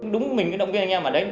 đúng mình động viên anh em ở đấy